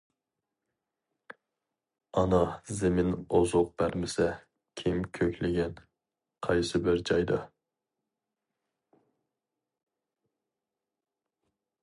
ئانا زېمىن ئوزۇق بەرمىسە، كىم كۆكلىگەن قايسىبىر جايدا؟ !